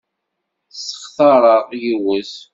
Staxṛeɣ yiwet.